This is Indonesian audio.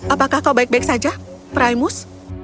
apakah kau baik baik saja primus